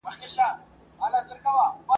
زه به په چیغو چیغو زړه درسره وژړوم ..